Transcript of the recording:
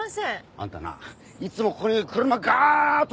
あんたないつもここに車ガーッ止めてよ